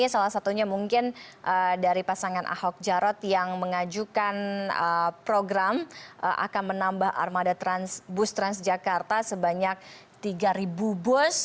salah satunya mungkin dari pasangan ahok jarot yang mengajukan program akan menambah armada bus transjakarta sebanyak tiga bus